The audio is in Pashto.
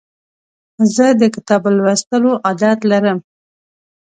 زه د کتاب لوستلو عادت لرم.